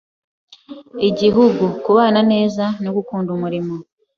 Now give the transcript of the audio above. Igihugu, kubana neza no gukunda umurimo.